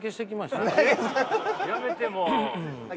やめてもう。